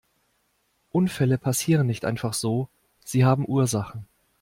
Unfälle passieren nicht einfach so, sie haben Ursachen.